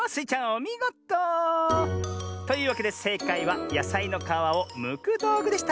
おみごと！というわけでせいかいはやさいのかわをむくどうぐでした。